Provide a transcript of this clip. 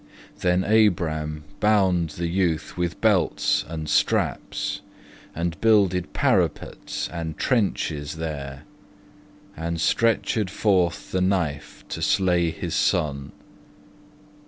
Then Abram bound the youth with belts and straps, And builded parapets and trenches there, And stretch\ed forth the knife to slay his son.